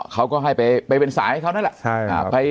ใช่ครับ